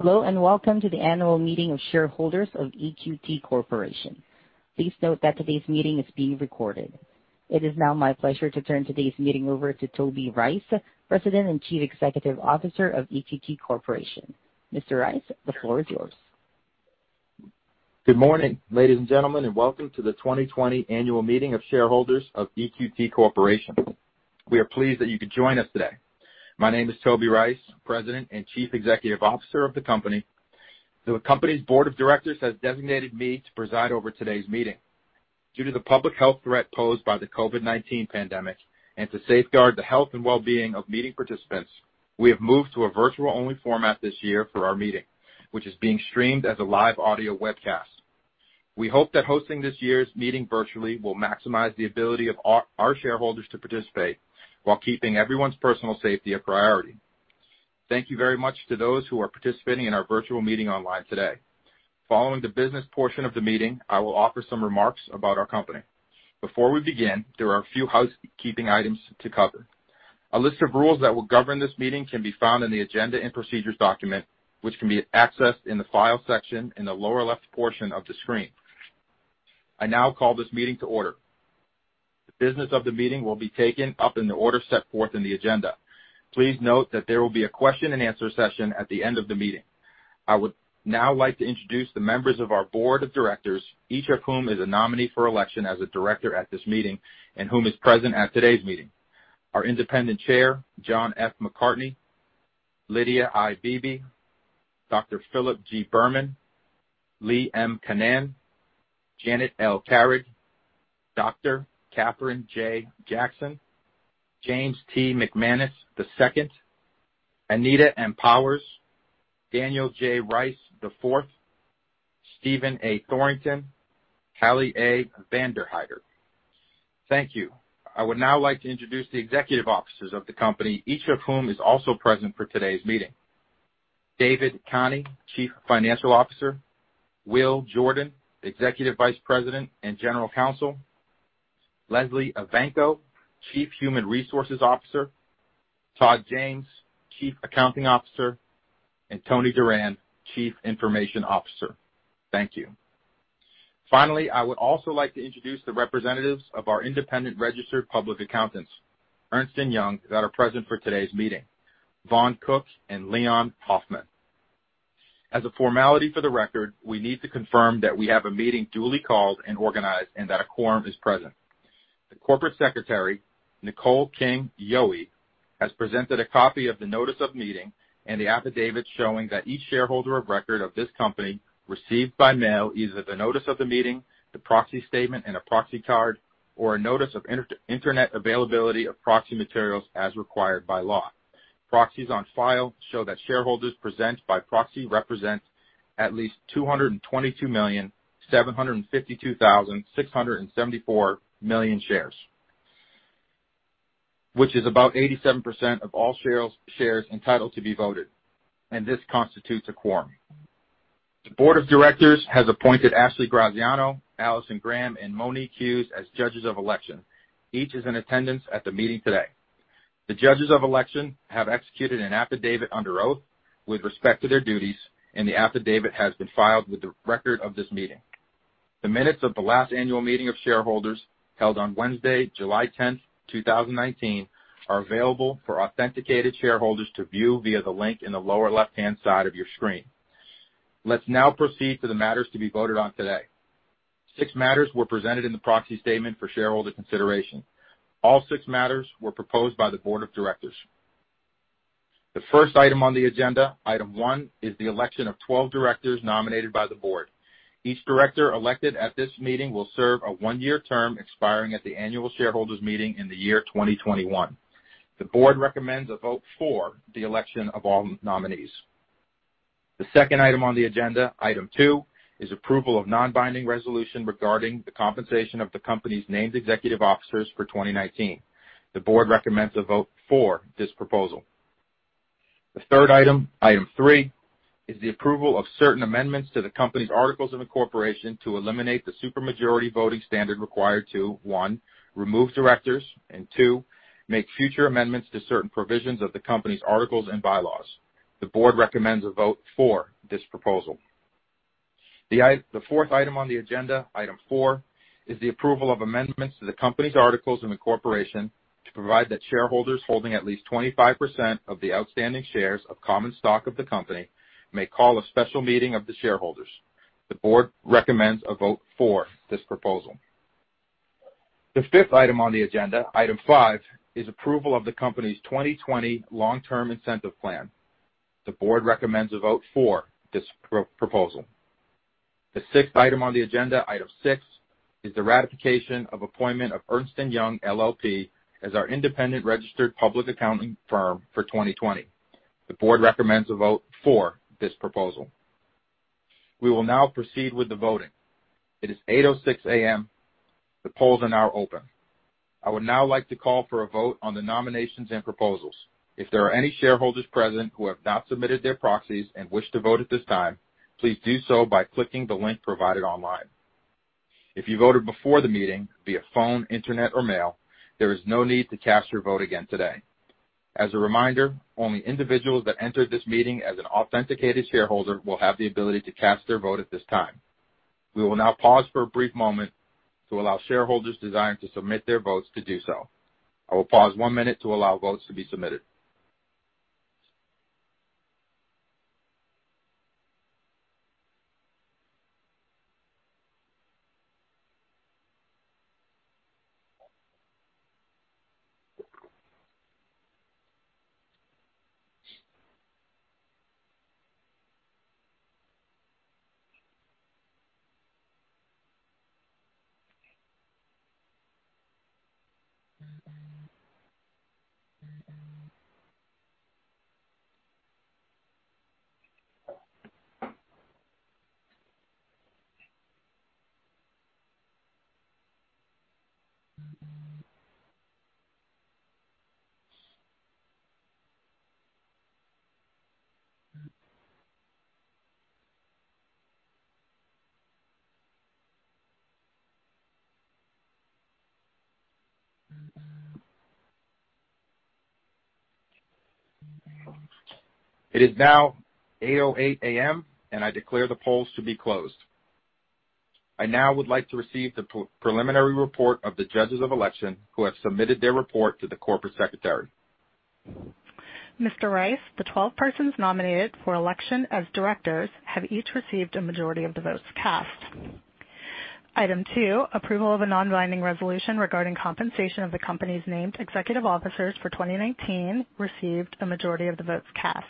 Hello, and welcome to the Annual Meeting of Shareholders of EQT Corporation. Please note that today's meeting is being recorded. It is now my pleasure to turn today's meeting over to Toby Rice, President and Chief Executive Officer of EQT Corporation. Mr. Rice, the floor is yours. Good morning, ladies and gentlemen, and welcome to the 2020 Annual Meeting of Shareholders of EQT Corporation. We are pleased that you could join us today. My name is Toby Rice, President and Chief Executive Officer of the company. The company's Board of Directors has designated me to preside over today's meeting. Due to the public health threat posed by the COVID-19 pandemic, and to safeguard the health and wellbeing of meeting participants, we have moved to a virtual-only format this year for our meeting, which is being streamed as a live audio webcast. We hope that hosting this year's meeting virtually will maximize the ability of our shareholders to participate while keeping everyone's personal safety a priority. Thank you very much to those who are participating in our virtual meeting online today. Following the business portion of the meeting, I will offer some remarks about our company. Before we begin, there are a few housekeeping items to cover. A list of rules that will govern this meeting can be found in the agenda and procedures document, which can be accessed in the file section in the lower left portion of the screen. I now call this meeting to order. The business of the meeting will be taken up in the order set forth in the agenda. Please note that there will be a question-and-answer session at the end of the meeting. I would now like to introduce the members of our Board of Directors, each of whom is a nominee for election as a director at this meeting, and whom is present at today's meeting. Our Independent Chair, John F. McCartney, Lydia I. Beebe, Dr. Philip G. Behrman, Lee M. Canaan, Janet L. Carrig, Dr. Kathryn J. Jackson, James T. McManus II, Anita M. Powers, Daniel J. Rice IV, Stephen A. Thorington, Hallie A. Vanderhider. Thank you. I would now like to introduce the executive officers of the company, each of whom is also present for today's meeting. David Khani, Chief Financial Officer, Will Jordan, Executive Vice President and General Counsel, Lesley Evancho, Chief Human Resources Officer, Todd James, Chief Accounting Officer, and Tony Duran, Chief Information Officer. Thank you. Finally, I would also like to introduce the representatives of our independent registered public accountants, Ernst & Young, that are present for today's meeting, Vaughn Cook and Leon Hoffman. As a formality for the record, we need to confirm that we have a meeting duly called and organized, and that a quorum is present. The Corporate Secretary, Nicole King Yohe, has presented a copy of the Notice of Meeting and the affidavit showing that each shareholder of record of this company received by mail either the Notice of the Meeting, the Proxy Statement, and a Proxy Card, or a Notice of Internet Availability of Proxy Materials as required by law. Proxies on file show that shareholders present by proxy represent at least 222,752,674 million shares. Which is about 87% of all shares entitled to be voted, and this constitutes a quorum. The Board of Directors has appointed Ashley Graziano, Allyson Graham, and Monique Hughes as Judges of Election. Each is in attendance at the meeting today. The judges of election have executed an affidavit under oath with respect to their duties, and the affidavit has been filed with the record of this meeting. The minutes of the last annual meeting of shareholders held on Wednesday, July 10th, 2019, are available for authenticated shareholders to view via the link in the lower left-hand side of your screen. Let's now proceed to the matters to be voted on today. Six matters were presented in the Proxy Statement for shareholder consideration. All six matters were proposed by the Board of Directors. The first item on the agenda, Item 1, is the election of 12 directors nominated by the board. Each director elected at this meeting will serve a one-year term expiring at the annual shareholders meeting in the year 2021. The Board recommends a vote for the election of all nominees. The second item on the agenda, Item 2, is approval of non-binding resolution regarding the compensation of the company's named executive officers for 2019. The board recommends a vote for this proposal. The third, item Item3, is the approval of certain amendments to the company's articles of incorporation to eliminate the supermajority voting standard required to, one, remove directors, and two, make future amendments to certain provisions of the company's articles and bylaws. The Board recommends a vote for this proposal. The fourth item on the agenda, Item 4, is the approval of amendments to the company's articles of incorporation to provide that shareholders holding at least 25% of the outstanding shares of common stock of the company may call a special meeting of the shareholders. The Board recommends a vote for this proposal. The fifth item on the agenda, Item 5, is approval of the company's 2020 Long-Term Incentive Plan. The Board recommends a vote for this proposal. The sixth item on the agenda, Item 6, is the ratification of appointment of Ernst & Young LLP as our independent registered public accounting firm for 2020. The Board recommends a vote for this proposal. We will now proceed with the voting. It is 8:06 A.M. The polls are now open. I would now like to call for a vote on the nominations and proposals. If there are any shareholders present who have not submitted their proxies and wish to vote at this time, please do so by clicking the link provided online. If you voted before the meeting via phone, internet, or mail, there is no need to cast your vote again today. As a reminder, only individuals that entered this meeting as an authenticated shareholder will have the ability to cast their vote at this time. We will now pause for a brief moment to allow shareholders desiring to submit their votes to do so. I will pause one minute to allow votes to be submitted. It is now 8:08 A.M., and I declare the polls to be closed. I now would like to receive the preliminary report of the Judges of Election who have submitted their report to the corporate secretary. Mr. Rice, the 12 persons nominated for election as directors have each received a majority of the votes cast. Item 2, approval of a non-binding resolution regarding compensation of the company's named executive officers for 2019 received a majority of the votes cast.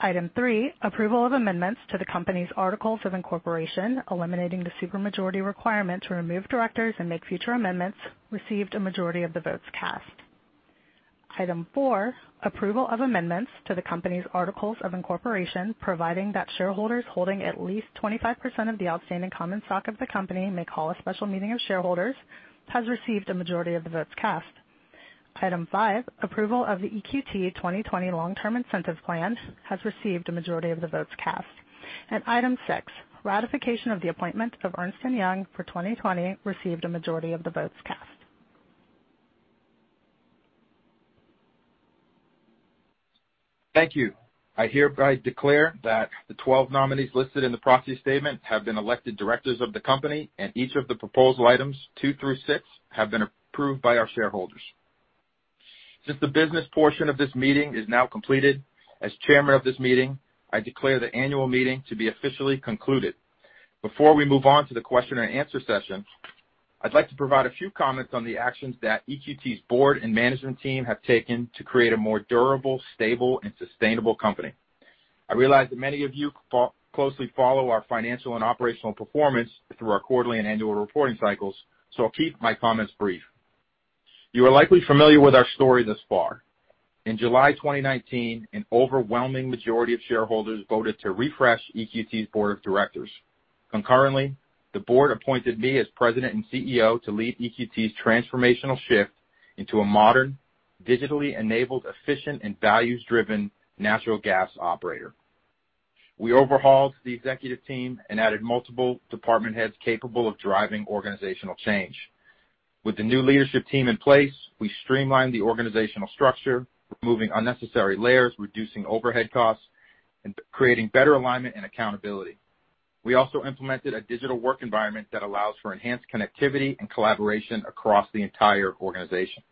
Item 3, approval of amendments to the company's articles of incorporation, eliminating the supermajority requirement to remove directors and make future amendments, received a majority of the votes cast. Item 4, approval of amendments to the company's articles of incorporation, providing that shareholders holding at least 25% of the outstanding common stock of the company may call a special meeting of shareholders, has received a majority of the votes cast. Item 5, approval of the EQT 2020 Long-Term Incentive Plan has received a majority of the votes cast. Item 6, ratification of the appointment of Ernst & Young for 2020 received a majority of the votes cast. Thank you. I hereby declare that the 12 nominees listed in the Proxy Statement have been elected directors of the company, and each of the proposal Items two through six have been approved by our shareholders. The business portion of this meeting is now completed, as Chairman of this meeting, I declare the annual meeting to be officially concluded. Before we move on to the question-and-answer session, I'd like to provide a few comments on the actions that EQT's board and management team have taken to create a more durable, stable, and sustainable company. I realize that many of you closely follow our financial and operational performance through our quarterly and annual reporting cycles, so I'll keep my comments brief. You are likely familiar with our story thus far. In July 2019, an overwhelming majority of shareholders voted to refresh EQT's Board of Directors. Concurrently, the board appointed me as President and CEO to lead EQT's transformational shift into a modern, digitally enabled, efficient, and values-driven natural gas operator. We overhauled the executive team and added multiple department heads capable of driving organizational change. With the new leadership team in place, we streamlined the organizational structure, removing unnecessary layers, reducing overhead costs, and creating better alignment and accountability. We also implemented a digital work environment that allows for enhanced connectivity and collaboration across the entire organization.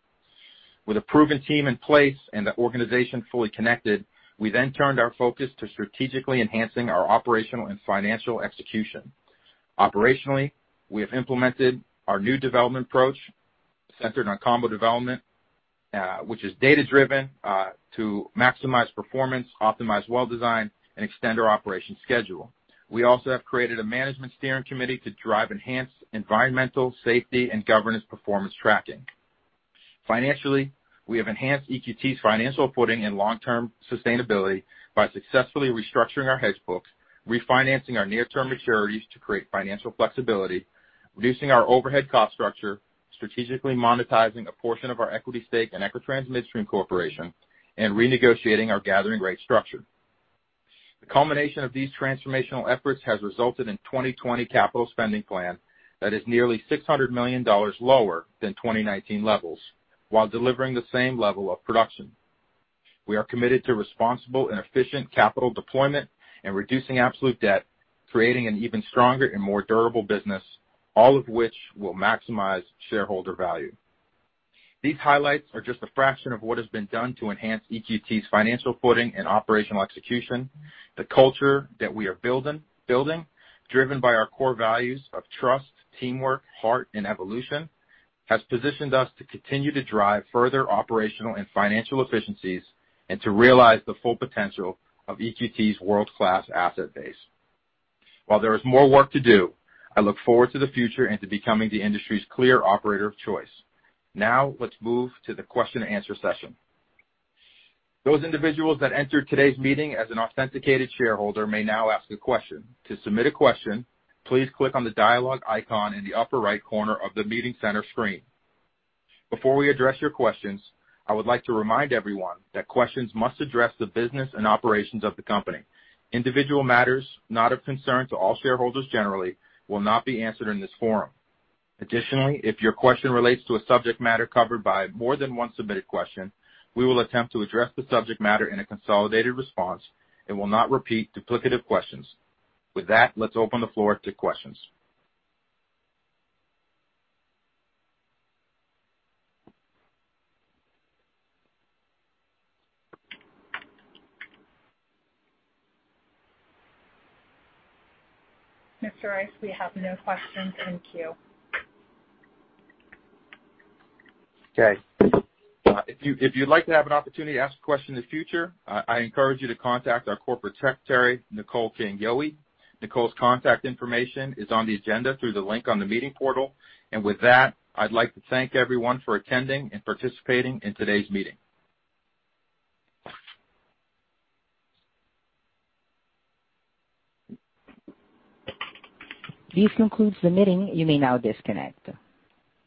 With a proven team in place and the organization fully connected, we turned our focus to strategically enhancing our operational and financial execution. Operationally, we have implemented our new development approach centered on combo development, which is data-driven to maximize performance, optimize well design, and extend our operation schedule. We also have created a management steering committee to drive enhanced environmental, safety, and governance performance tracking. Financially, we have enhanced EQT's financial footing and long-term sustainability by successfully restructuring our hedge books, refinancing our near-term maturities to create financial flexibility, reducing our overhead cost structure, strategically monetizing a portion of our equity stake in Equitrans Midstream Corporation, and renegotiating our gathering rate structure. The culmination of these transformational efforts has resulted in 2020 capital spending plan that is nearly $600 million lower than 2019 levels while delivering the same level of production. We are committed to responsible and efficient capital deployment and reducing absolute debt, creating an even stronger and more durable business, all of which will maximize shareholder value. These highlights are just a fraction of what has been done to enhance EQT's financial footing and operational execution. The culture that we are building, driven by our core values of trust, teamwork, heart, and evolution, has positioned us to continue to drive further operational and financial efficiencies and to realize the full potential of EQT's world-class asset base. While there is more work to do, I look forward to the future and to becoming the industry's clear operator of choice. Let's move to the question-and-answer session. Those individuals that entered today's meeting as an authenticated shareholder may now ask a question. To submit a question, please click on the dialogue icon in the upper right corner of the meeting center screen. Before we address your questions, I would like to remind everyone that questions must address the business and operations of the company. Individual matters not of concern to all shareholders generally will not be answered in this forum. If your question relates to a subject matter covered by more than one submitted question, we will attempt to address the subject matter in a consolidated response and will not repeat duplicative questions. With that, let's open the floor to questions. Mr. Rice, we have no questions in queue. Okay. If you'd like to have an opportunity to ask a question in the future, I encourage you to contact our Corporate Secretary, Nicole King Yohe. Nicole's contact information is on the agenda through the link on the meeting portal. With that, I'd like to thank everyone for attending and participating in today's meeting. This concludes the meeting. You may now disconnect.